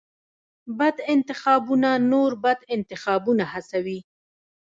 بد انتخابونه نور بد انتخابونه هڅوي.